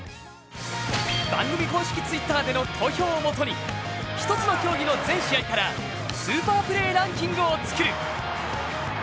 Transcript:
番組公式Ｔｗｉｔｔｅｒでの投票をもとに１つの競技の全試合からスーパープレーランキングを作る。